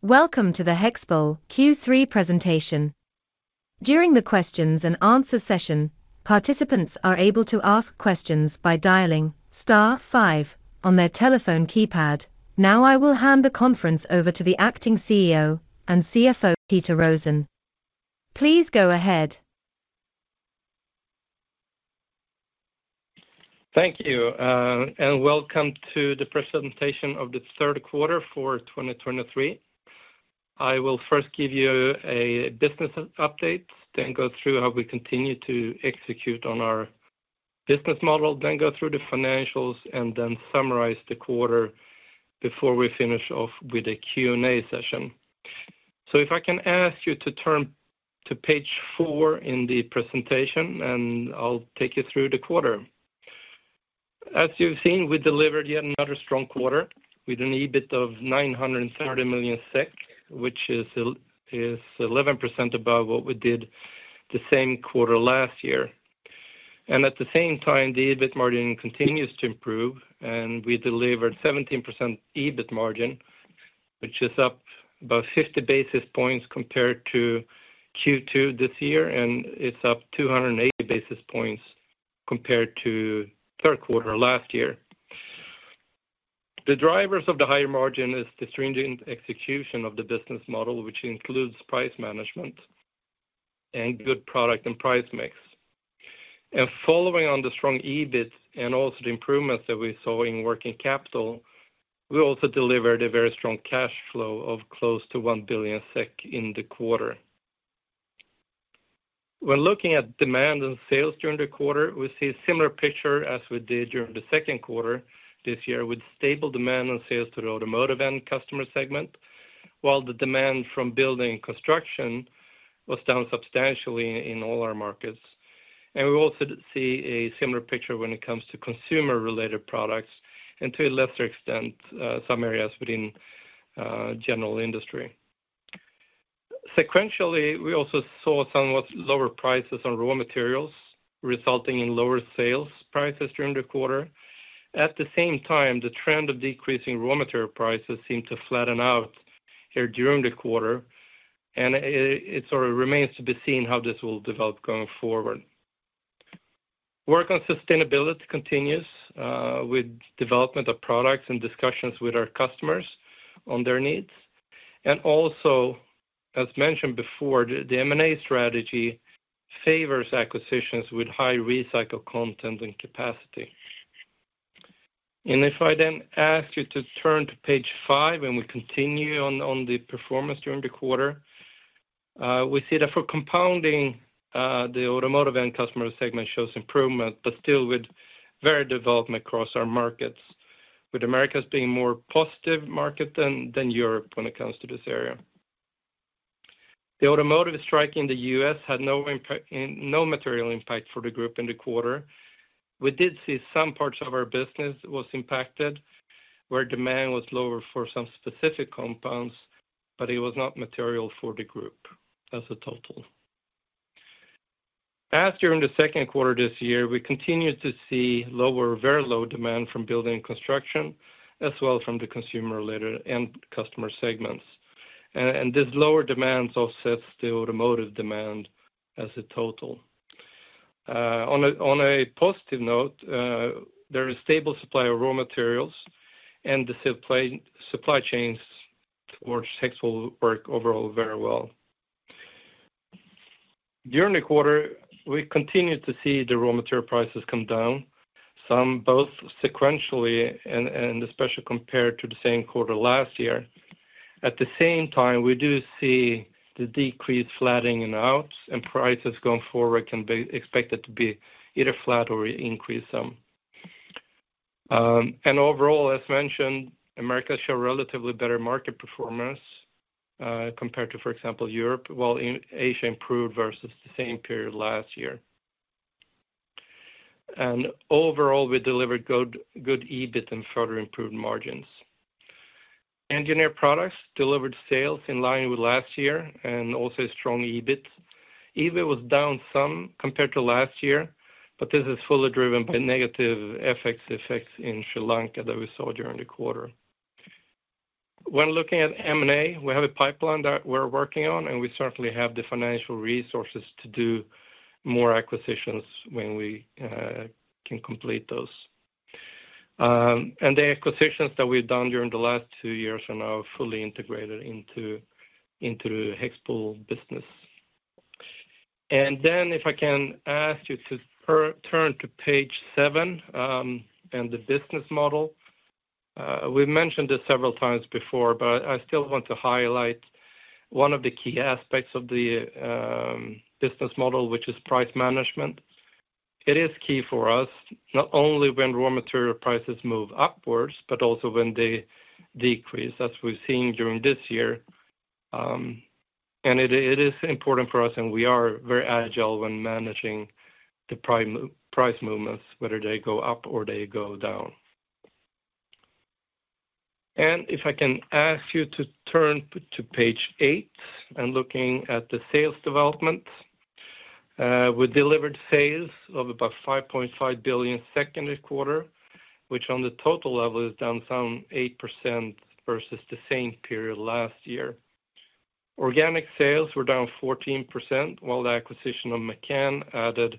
Welcome to the HEXPOL Q3 presentation. During the questions and answer session, participants are able to ask questions by dialing star five on their telephone keypad. Now, I will hand the conference over to the acting CEO and CFO, Peter Rosén. Please go ahead. Thank you, and welcome to the presentation of the Q3 for 2023. I will first give you a business update, then go through how we continue to execute on our business model, then go through the financials, and then summarize the quarter before we finish off with a Q&A session. So if I can ask you to turn to page four in the presentation, and I'll take you through the quarter. As you've seen, we delivered yet another strong quarter with an EBIT of 930 million SEK, which is 11% above what we did the same quarter last year. At the same time, the EBIT margin continues to improve, and we delivered 17% EBIT margin, which is up about 50 basis points compared to Q2 this year, and it's up 280 basis points compared to Q3 last year. The drivers of the higher margin is the stringent execution of the business model, which includes price management and good product and price mix. Following on the strong EBIT and also the improvements that we saw in working capital, we also delivered a very strong cash flow of close to 1 billion SEK in the quarter. When looking at demand and sales during the quarter, we see a similar picture as we did during the Q2 this year, with stable demand on sales to the automotive end customer segment, while the demand from building construction was down substantially in all our markets. And we also see a similar picture when it comes to consumer-related products and, to a lesser extent, some areas within general industry. Sequentially, we also saw somewhat lower prices on raw materials, resulting in lower sales prices during the quarter. At the same time, the trend of decreasing raw material prices seemed to flatten out here during the quarter, and it sort of remains to be seen how this will develop going forward. Work on sustainability continues with development of products and discussions with our customers on their needs. And also, as mentioned before, the M&A strategy favors acquisitions with high recycled content and capacity. And if I then ask you to turn to page five, and we continue on the performance during the quarter. We see that for Compounding, the automotive end customer segment shows improvement, but still with very development across our markets, with Americas being a more positive market than Europe when it comes to this area. The automotive strike in the US had no impact, no material impact for the group in the quarter. We did see some parts of our business was impacted, where demand was lower for some specific compounds, but it was not material for the group as a total. As during the Q2 this year, we continued to see lower, very low demand from building construction, as well from the consumer-related end customer segments. And this lower demand offsets the automotive demand as a total. On a positive note, there is stable supply of raw materials and the supply chains for HEXPOL work overall very well. During the quarter, we continued to see the raw material prices come down some both sequentially and especially compared to the same quarter last year. At the same time, we do see the decrease flattening out and prices going forward can be expected to be either flat or increase some. And overall, as mentioned, Americas show relatively better market performance, compared to, for example, Europe, while in Asia improved versus the same period last year. And overall, we delivered good, good EBIT and further improved margins. Engineered Products delivered sales in line with last year and also strong EBIT. EBIT was down some compared to last year, but this is fully driven by negative FX effects in Sri Lanka that we saw during the quarter. When looking at M&A, we have a pipeline that we're working on, and we certainly have the financial resources to do more acquisitions when we can complete those. The acquisitions that we've done during the last two years are now fully integrated into HEXPOL business. Then if I can ask you to turn to page seven and the business model. We've mentioned this several times before, but I still want to highlight one of the key aspects of the business model, which is price management. It is key for us, not only when raw material prices move upwards, but also when they decrease, as we're seeing during this year. It is important for us, and we are very agile when managing the price movements, whether they go up or they go down. And if I can ask you to turn to page eight and looking at the sales development? We delivered sales of about 5.5 billion Q2, which on the total level, is down some 8% versus the same period last year. Organic sales were down 14%, while the acquisition of McCann added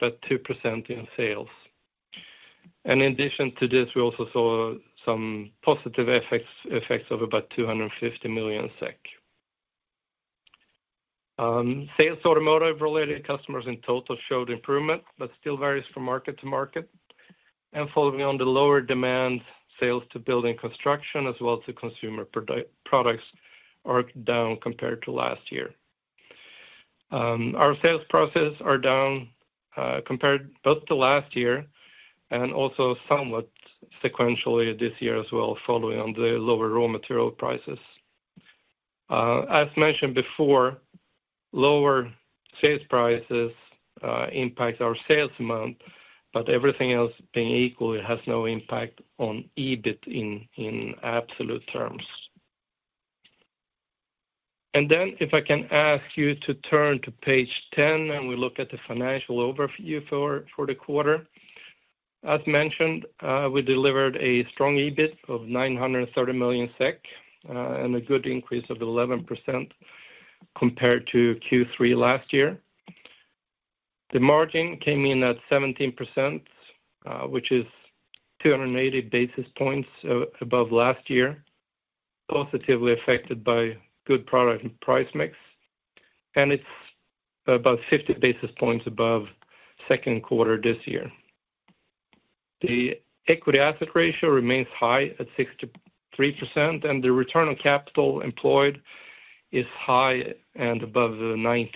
about 2% in sales. And in addition to this, we also saw some positive effects of about 250 million SEK. Sales to automotive-related customers in total showed improvement, but still varies from market to market. And following on the lower demand, sales to building construction as well as to consumer products are down compared to last year. Our sales prices are down, compared both to last year and also somewhat sequentially this year as well, following on the lower raw material prices. As mentioned before, lower sales prices impact our sales amount, but everything else being equal, it has no impact on EBIT in absolute terms. Then, if I can ask you to turn to page 10, and we look at the financial overview for the quarter. As mentioned, we delivered a strong EBIT of 900 million SEK, and a good increase of 11% compared to Q3 last year. The margin came in at 17%, which is 280 basis points above last year, positively affected by good product and price mix, and it's about 50 basis points above Q2 this year. The equity asset ratio remains high at 63%, and the return on capital employed is high and above the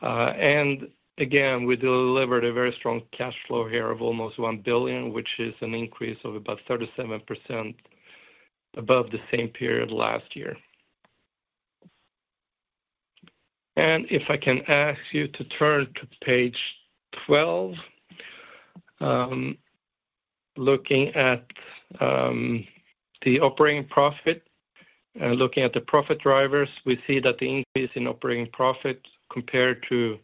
19%. Again, we delivered a very strong cash flow here of almost 1 billion, which is an increase of about 37% above the same period last year. If I can ask you to turn to page 12, looking at the operating profit. Looking at the profit drivers, we see that the increase in operating profit compared to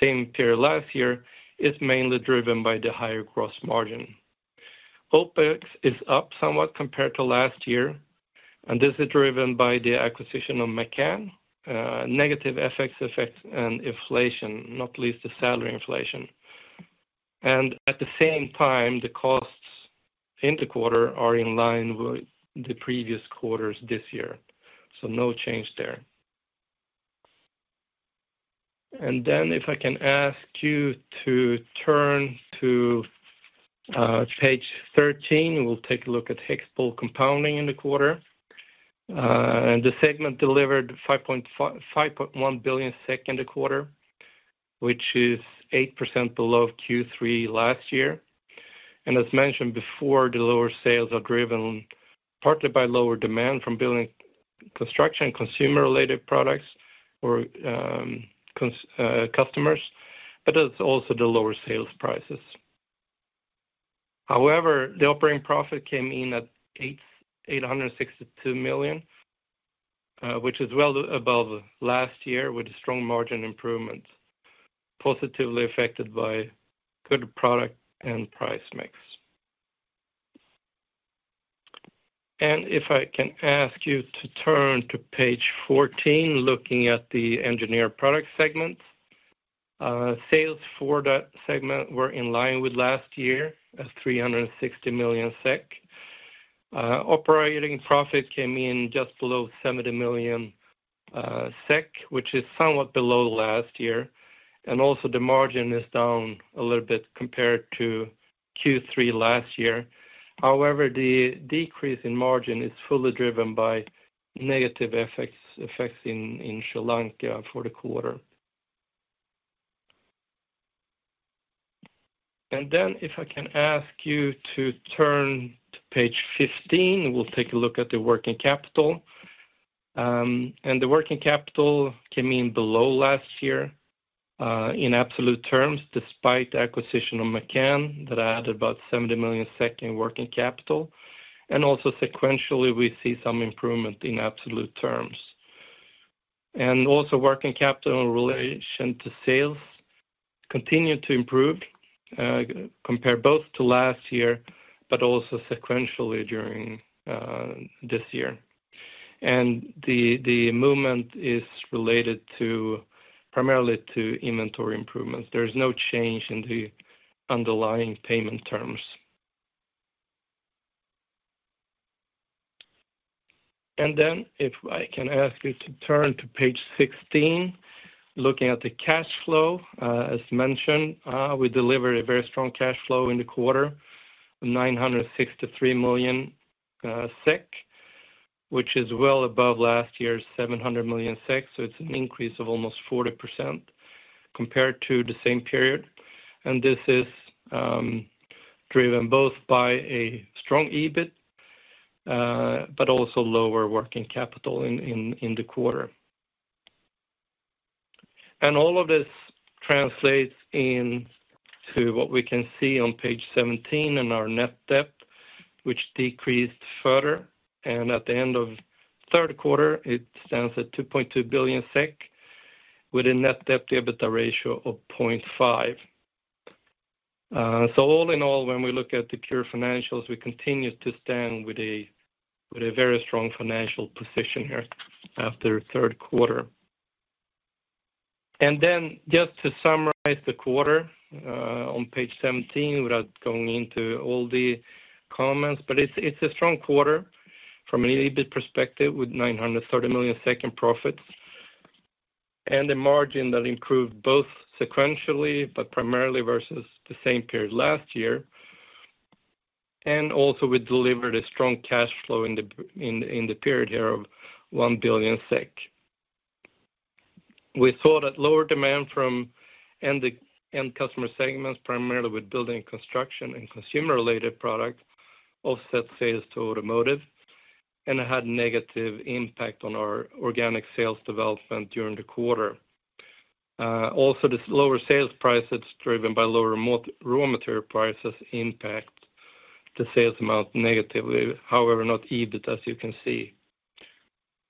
same period last year is mainly driven by the higher gross margin. OpEx is up somewhat compared to last year, and this is driven by the acquisition of McCann, negative FX effects and inflation, not least the salary inflation. At the same time, the costs in the quarter are in line with the previous quarters this year, so no change there. Then, if I can ask you to turn to page 13, we'll take a look at HEXPOL Compounding in the quarter. And the segment delivered 5.1 billion in the quarter, which is 8% below Q3 last year. And as mentioned before, the lower sales are driven partly by lower demand from building construction, consumer-related products or customers, but it's also the lower sales prices. However, the operating profit came in at 862 million, which is well above last year with a strong margin improvement, positively affected by good product and price mix. And if I can ask you to turn to page 14, looking at the engineered products segment. Sales for that segment were in line with last year at 360 million SEK. Operating profit came in just below 70 million SEK, which is somewhat below last year, and also the margin is down a little bit compared to Q3 last year. However, the decrease in margin is fully driven by negative effects in Sri Lanka for the quarter. And then, if I can ask you to turn to page 15, we'll take a look at the working capital. And the working capital came in below last year in absolute terms, despite the acquisition of McCann, that added about 70 million in working capital. And also sequentially, we see some improvement in absolute terms. And also, working capital in relation to sales continued to improve compared both to last year, but also sequentially during this year. And the movement is related primarily to inventory improvements. There is no change in the underlying payment terms. And then, if I can ask you to turn to page 16, looking at the cash flow. As mentioned, we delivered a very strong cash flow in the quarter, 963 million SEK, which is well above last year's 700 million SEK, so it's an increase of almost 40% compared to the same period. And this is driven both by a strong EBIT, but also lower working capital in the quarter. And all of this translates into what we can see on page 17 in our net debt, which decreased further, and at the end of Q3, it stands at 2.2 billion SEK, with a net debt to EBITDA ratio of 0.5. So all in all, when we look at the pure financials, we continue to stand with a very strong financial position here after Q3. And then just to summarize the quarter, on page 17, without going into all the comments, but it's a strong quarter from an EBIT perspective, with 930 million in profits, and a margin that improved both sequentially, but primarily versus the same period last year. And also, we delivered a strong cash flow in the period here of 1 billion SEK. We saw that lower demand from end customer segments, primarily with building, construction, and consumer-related products, offset sales to automotive, and it had negative impact on our organic sales development during the quarter. Also, this lower sales prices, driven by lower raw material prices, impact the sales amount negatively, however, not EBIT, as you can see.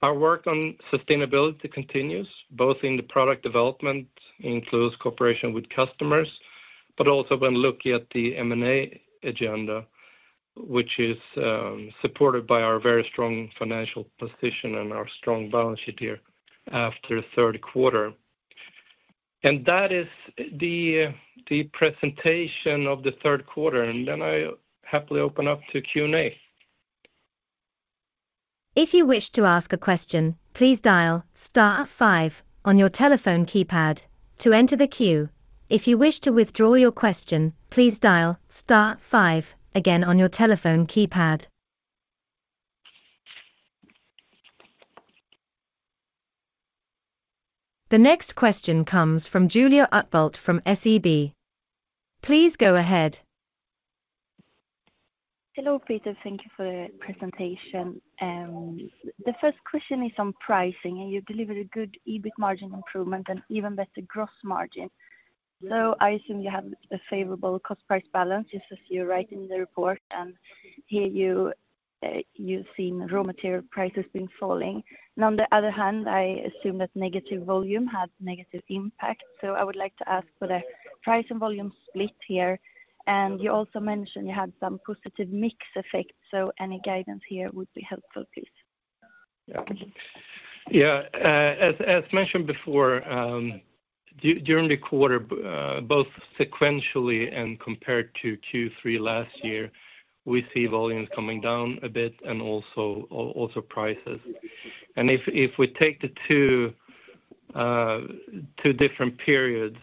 Our work on sustainability continues, both in the product development, in close cooperation with customers, but also when looking at the M&A agenda, which is supported by our very strong financial position and our strong balance sheet here after Q3. That is the presentation of the Q3, and I happily open up to Q&A. If you wish to ask a question, please dial star five on your telephone keypad to enter the queue. If you wish to withdraw your question, please dial star five again on your telephone keypad. The next question comes from Julia Utbult from SEB. Please go ahead. Hello, Peter. Thank you for the presentation. The first question is on pricing, and you delivered a good EBIT margin improvement and even better gross margin. So I assume you have a favorable cost-price balance, just as you write in the report, and here you, you've seen raw material prices been falling. And on the other hand, I assume that negative volume had negative impact, so I would like to ask for the price and volume split here. And you also mentioned you had some positive mix effects, so any guidance here would be helpful, please. Yeah. Yeah, as mentioned before, during the quarter, both sequentially and compared to Q3 last year, we see volumes coming down a bit and also prices. And if we take the two different periods,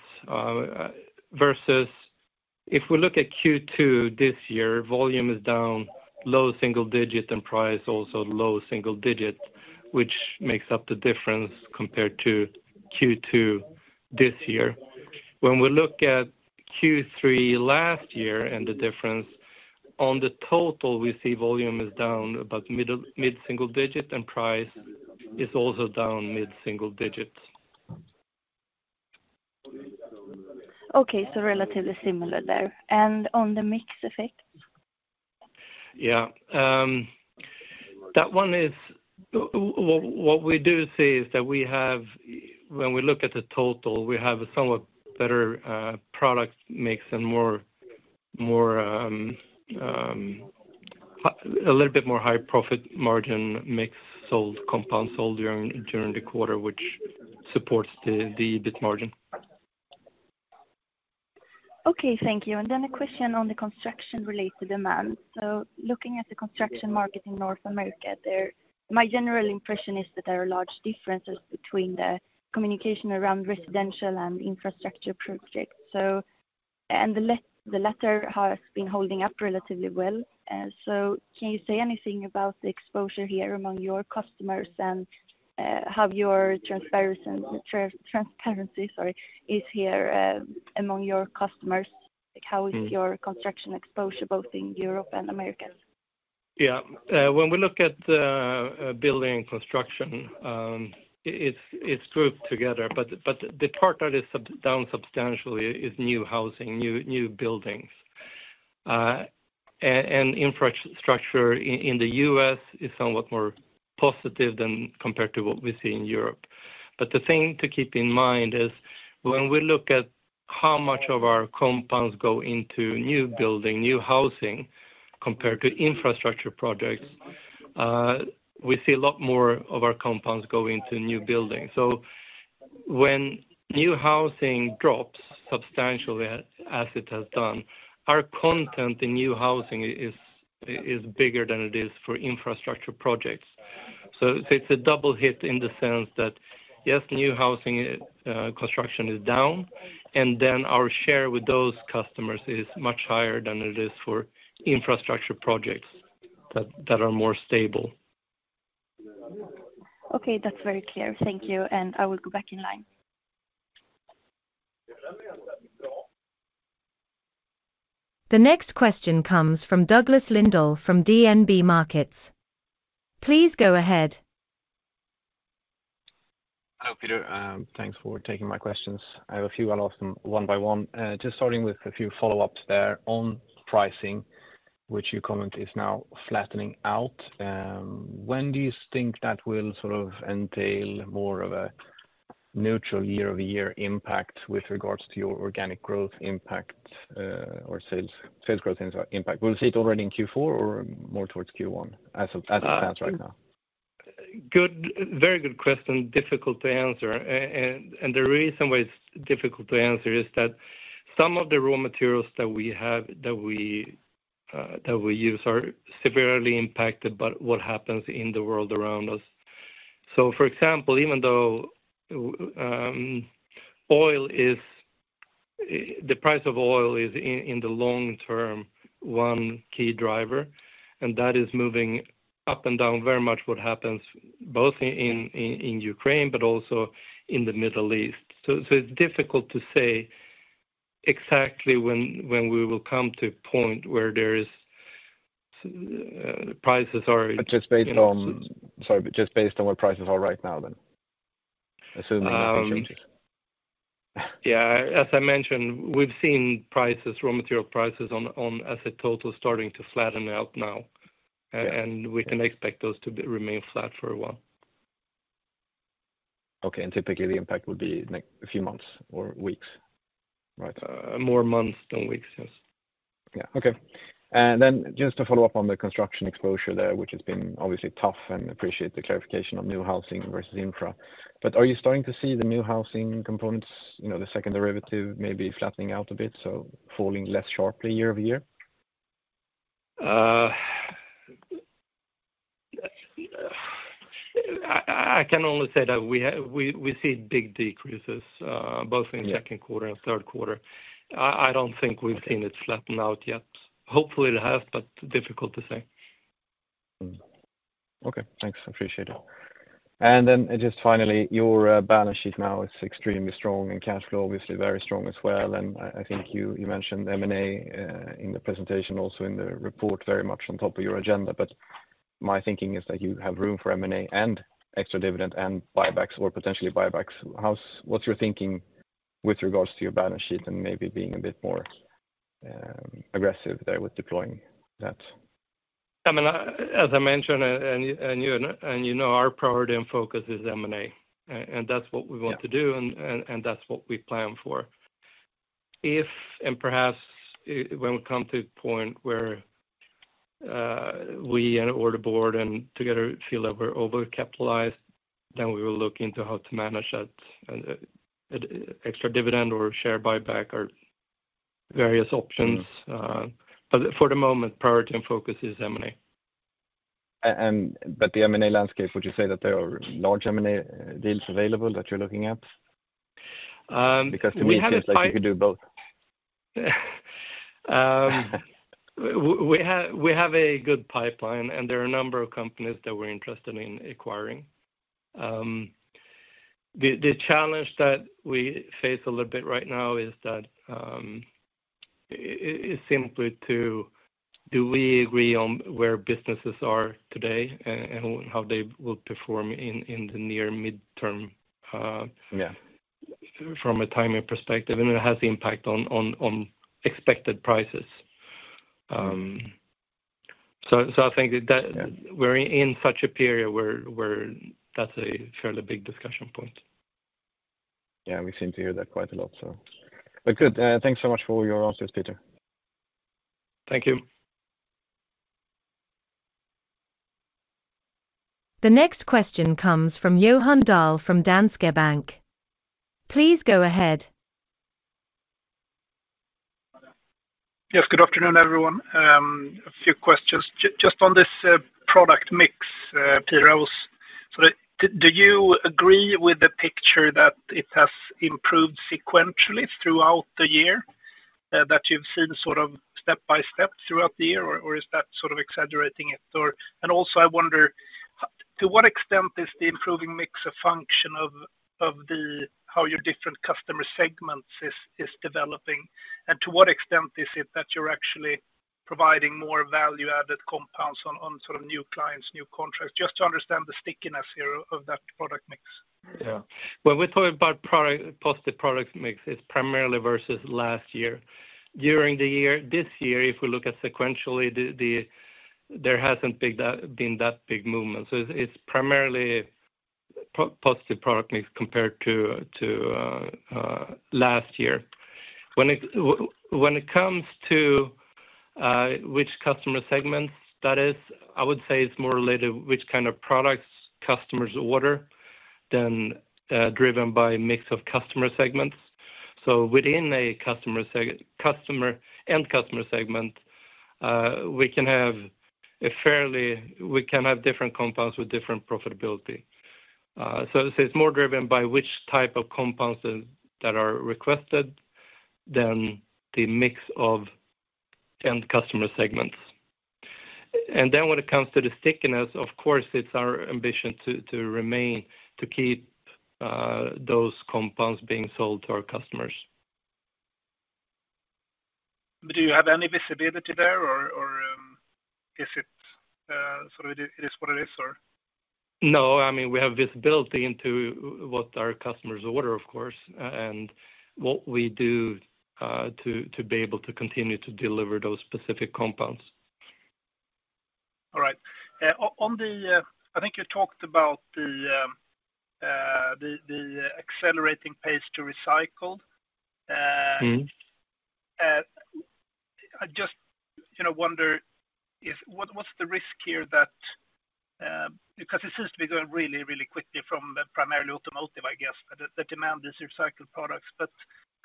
versus if we look at Q2 this year, volume is down low single digit, and price also low single digit, which makes up the difference compared to Q2 this year. When we look at Q3 last year and the difference, on the total, we see volume is down about mid single digit, and price is also down mid-single digits. Okay, so relatively similar there. And on the mix effect? Yeah, what we do see is that we have, when we look at the total, we have a somewhat better product mix and more, a little bit more high profit margin mix sold, compounds sold during the quarter, which supports the EBIT margin. Okay, thank you. And then a question on the construction-related demand. So looking at the construction market in North America, there are large differences between the communication around residential and infrastructure projects. So, and the latter has been holding up relatively well. So can you say anything about the exposure here among your customers, and how your transparency is here among your customers? How is your construction exposure both in Europe and Americas? Yeah, when we look at the building construction, it's grouped together, but the part that is down substantially is new housing, new buildings. And infrastructure in the U.S. is somewhat more positive than compared to what we see in Europe. But the thing to keep in mind is when we look at how much of our compounds go into new building, new housing, compared to infrastructure projects, we see a lot more of our compounds go into new buildings. So when new housing drops substantially, as it has done, our content in new housing is bigger than it is for infrastructure projects. So it's a double hit in the sense that, yes, new housing construction is down, and then our share with those customers is much higher than it is for infrastructure projects that are more stable. Okay, that's very clear. Thank you, and I will go back in line. The next question comes from Douglas Lindahl from DNB Markets. Please go ahead.... Peter, thanks for taking my questions. I have a few, I'll ask them one by one. Just starting with a few follow-ups there on pricing, which you comment is now flattening out. When do you think that will sort of entail more of a neutral year-over-year impact with regards to your organic growth impact, or sales, sales growth impact? Will we see it already in Q4 or more towards Q1, as of, as it stands right now? Good, very good question. Difficult to answer. And the reason why it's difficult to answer is that some of the raw materials that we use are severely impacted by what happens in the world around us. So for example, even though oil is... The price of oil is in the long term one key driver, and that is moving up and down very much what happens both in Ukraine, but also in the Middle East. So it's difficult to say exactly when we will come to a point where there is prices are- Just based on, sorry, but just based on what prices are right now then? Assuming there's no changes. Yeah, as I mentioned, we've seen prices, raw material prices on as a total starting to flatten out now, and we can expect those to remain flat for a while. Okay. Typically, the impact would be like a few months or weeks, right? More months than weeks, yes. Yeah. Okay. And then just to follow up on the construction exposure there, which has been obviously tough and appreciate the clarification on new housing versus infra. But are you starting to see the new housing components, you know, the second derivative, maybe flattening out a bit, so falling less sharply year-over-year? I can only say that we see big decreases, both in Q2... Yeah... and Q3. I don't think we've seen it flatten out yet. Hopefully, it has, but difficult to say. Mm. Okay, thanks, appreciate it. And then just finally, your balance sheet now is extremely strong, and cash flow, obviously very strong as well. And I think you mentioned M&A in the presentation, also in the report, very much on top of your agenda. But my thinking is that you have room for M&A and extra dividend and buybacks or potentially buybacks. What's your thinking with regards to your balance sheet and maybe being a bit more aggressive there with deploying that? I mean, as I mentioned, and you know, our priority and focus is M&A, and that's what we want to do. Yeah And that's what we plan for. If and perhaps when we come to a point where we and or the board and together feel that we're overcapitalized, then we will look into how to manage that, and extra dividend or share buyback are various options. For the moment, priority and focus is M&A. The M&A landscape, would you say that there are large M&A deals available that you're looking at? We have a pi- Because to me, it's like you could do both. We have a good pipeline, and there are a number of companies that we're interested in acquiring. The challenge that we face a little bit right now is that it's simply too, do we agree on where businesses are today and how they will perform in the near mid-term. Yeah... from a timing perspective, and it has impact on expected prices. So I think that- Yeah... we're in such a period where that's a fairly big discussion point. Yeah, we seem to hear that quite a lot, so. But good, thanks so much for your answers, Peter. Thank you. The next question comes from Johan Dahl from Danske Bank. Please go ahead. Yes, good afternoon, everyone. A few questions. Just on this product mix, Peter, I will ask. So do you agree with the picture that it has improved sequentially throughout the year? That you've seen sort of step by step throughout the year, or is that sort of exaggerating it? Or, and also, I wonder to what extent is the improving mix a function of how your different customer segments is developing? And to what extent is it that you're actually providing more value-added compounds on sort of new clients, new contracts, just to understand the stickiness here of that product mix. Yeah. When we talk about product, positive product mix, it's primarily versus last year. During the year, this year, if we look at sequentially, there hasn't been that big movement. So it's primarily positive product mix compared to last year. When it comes to which customer segments that is, I would say it's more related which kind of products customers order than driven by mix of customer segments. So within a customer segment, end customer segment, we can have different compounds with different profitability. So it's more driven by which type of compounds that are requested than the mix of end customer segments. And then when it comes to the stickiness, of course, it's our ambition to remain, to keep those compounds being sold to our customers.... But do you have any visibility there or is it sort of it is what it is, or? No, I mean, we have visibility into what our customers order, of course, and what we do to be able to continue to deliver those specific compounds. All right. On the, I think you talked about the accelerating pace to recycle. Mm-hmm. I just, you know, wonder, what's the risk here that, because it seems to be going really, really quickly from primarily automotive, I guess, the demand is recycled products, but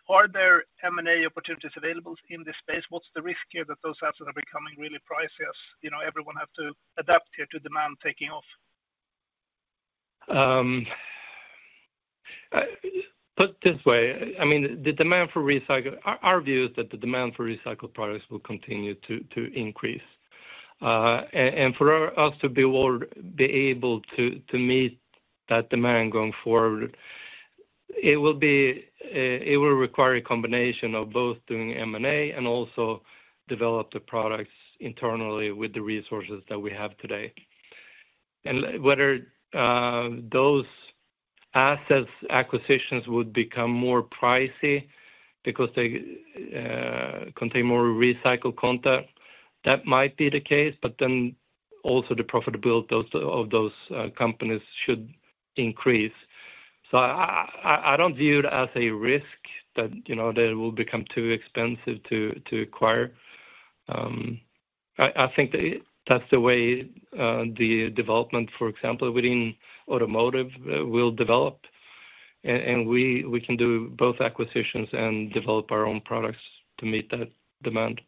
are there M&A opportunities available in this space? What's the risk here that those assets are becoming really pricey as, you know, everyone have to adapt here to demand taking off? Put this way, I mean, our view is that the demand for recycled products will continue to increase. And for us to be able to meet that demand going forward, it will require a combination of both doing M&A and also develop the products internally with the resources that we have today. And whether those assets acquisitions would become more pricey because they contain more recycled content, that might be the case, but then also the profitability of those companies should increase. So I don't view it as a risk that, you know, they will become too expensive to acquire. I think that's the way the development, for example, within automotive will develop, and we can do both acquisitions and develop our own products to meet that demand.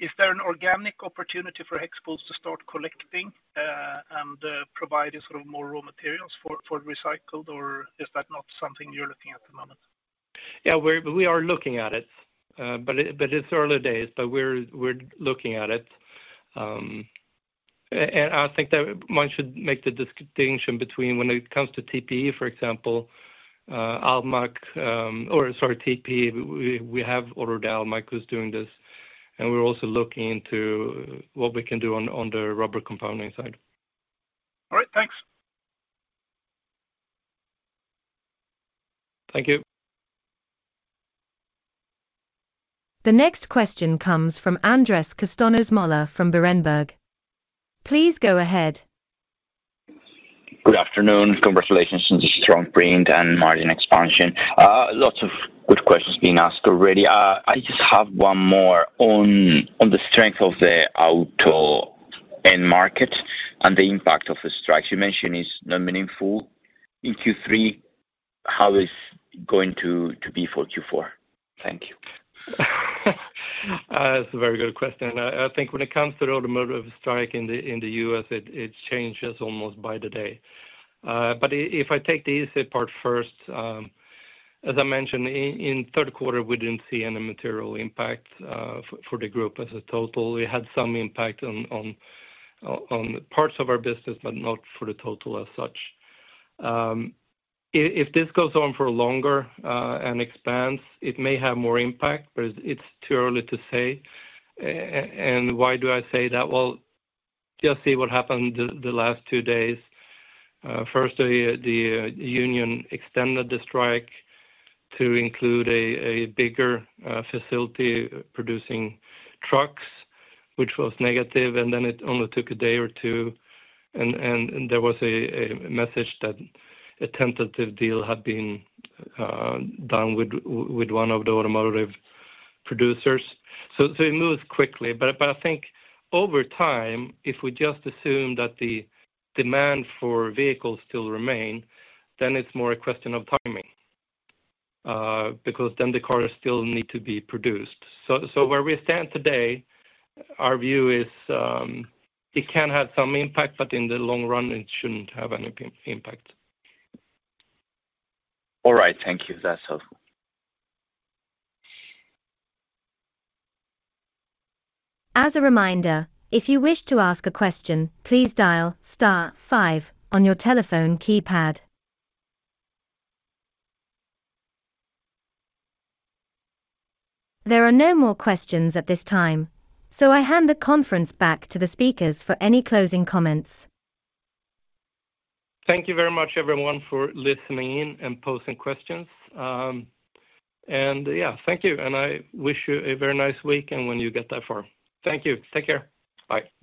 Is there an organic opportunity for HEXPOL to start collecting, and, providing sort of more raw materials for recycled, or is that not something you're looking at the moment? Yeah, we're looking at it, but it's early days, but we're looking at it. And I think one should make the distinction between when it comes to TPE, for example, Almaak, or sorry, TPE, we have ordered Almaak who's doing this, and we're also looking into what we can do on the rubber compounding side. All right, thanks. Thank you. The next question comes from Andres Castanos-Mollor from Berenberg. Please go ahead. Good afternoon. Congratulations on the strong brand and margin expansion. Lots of good questions being asked already. I just have one more on the strength of the auto end market and the impact of the strike. You mentioned it's not meaningful in Q3. How is it going to be for Q4? Thank you. That's a very good question. I think when it comes to the automotive strike in the US., it changes almost by the day. But if I take the easy part first, as I mentioned, in Q3, we didn't see any material impact, for the group as a total. We had some impact on parts of our business, but not for the total as such. If this goes on for longer and expands, it may have more impact, but it's too early to say. And why do I say that? Well, just see what happened the last two days. First, the union extended the strike to include a bigger facility producing trucks, which was negative, and then it only took a day or two, and there was a message that a tentative deal had been done with one of the automotive producers. So it moves quickly. But I think over time, if we just assume that the demand for vehicles still remain, then it's more a question of timing, because then the cars still need to be produced. So where we stand today, our view is, it can have some impact, but in the long run, it shouldn't have any impact. All right. Thank you. That's all. As a reminder, if you wish to ask a question, please dial star five on your telephone keypad. There are no more questions at this time, so I hand the conference back to the speakers for any closing comments. Thank you very much, everyone, for listening in and posing questions. And yeah, thank you, and I wish you a very nice week, and when you get that far. Thank you. Take care. Bye.